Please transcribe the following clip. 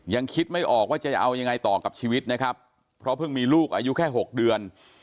ยังคิดไม่ออกว่าจะเอายังไงต่อกับชีวิตนะครับเพราะเพิ่งมีลูกอายุแค่๖เดือน